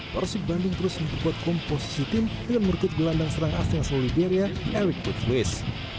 persib bandung terus memperkuat komposisi tim dengan merkit gelandang serang asing asal liberia eric putwis